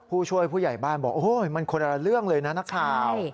ผู้ช่วยผู้ใหญ่บ้านบอกโอ้ยมันคนละเรื่องเลยนะนักข่าว